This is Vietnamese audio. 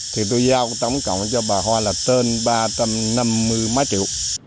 thì tôi giao tổng cộng cho bà hoa là tên ba trăm năm mươi mái triệu